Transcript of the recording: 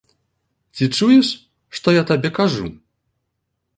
Ці чуеш, што я табе кажу?